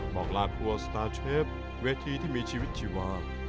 บอกลาครัวสตาร์เชฟเวทีที่มีชีวิตชีวา